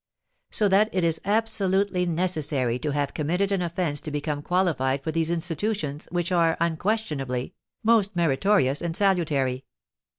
So that it is absolutely necessary to have committed an offence to become qualified for these institutions, which are, unquestionably, most meritorious and salutary.